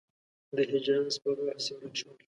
د هجران سپرو هسې ورک شول.